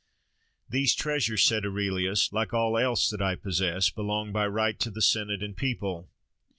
"These treasures," said Aurelius, "like all else that I possess, belong by right to the Senate and People."